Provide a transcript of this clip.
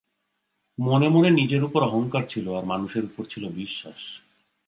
মনে মনে নিজের উপর অহংকার ছিল, আর মানুষের উপর ছিল বিশ্বাস।